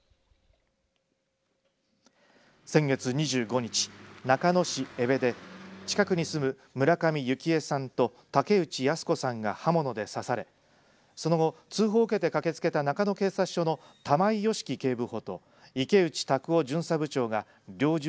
先月２５日、中野市江部で近くに住む村上幸枝さんと竹内靖子さんが刃物で刺されその後、通報を受けて駆けつけた中野警察署の玉井良樹警部補と池内卓夫